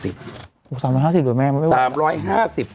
๓๕๐บ่อยแม่มันไม่บวช